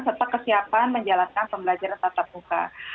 serta kesiapan menjalankan pembelajaran tatap muka